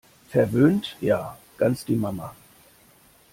Verwöhnt ja - ganz die Mama!